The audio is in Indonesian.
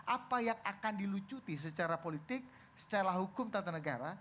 apa yang akan dilucuti secara politik secara hukum tata negara